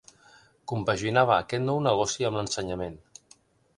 Compaginava aquest nou negoci amb l'ensenyament.